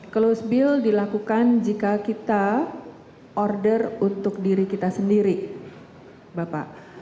close bill dilakukan jika kita order untuk diri kita sendiri bapak